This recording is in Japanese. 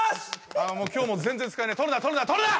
今日も全然使えない撮るな撮るな撮るな！